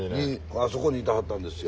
あそこにいてはったんですよ。